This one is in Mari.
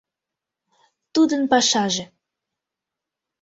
Тудын пашаже